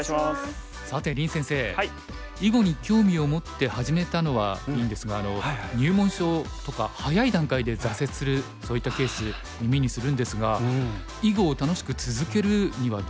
さて林先生囲碁に興味を持って始めたのはいいんですが入門書とか早い段階で挫折するそういったケース耳にするんですが囲碁を楽しく続けるにはどうしたらいいと思いますか？